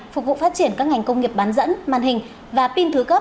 phục vụ phát triển các ngành công nghiệp bán dẫn màn hình và pin thứ cấp